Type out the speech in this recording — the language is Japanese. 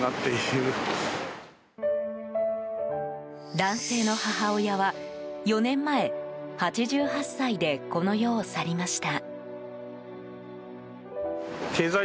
男性の母親は、４年前８８歳でこの世を去りました。